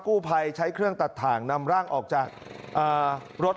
กู้ภัยใช้เครื่องตัดถ่างนำร่างออกจากรถ